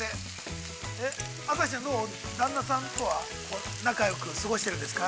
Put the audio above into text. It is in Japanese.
◆朝日ちゃん、どう、旦那さんとは、仲よく過ごしてるんですか。